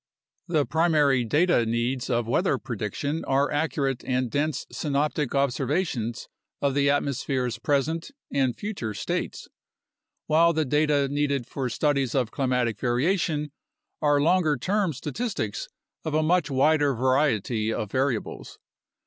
The primary data needs of weather prediction are accurate and dense synoptic observations of the atmosphere's present (and future) states, while the data needed for studies of climatic variation are longer term statistics of a much wider variety of variables.